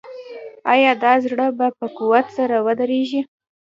آیا دا زړه به په قوت سره ودرزیږي؟